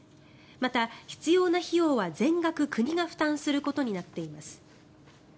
また必要な費用は全額、国が負担することになっています。